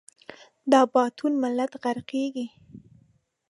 دا باتور ملت غرقیږي